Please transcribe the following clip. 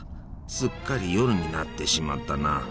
すっかり夜になってしまったな。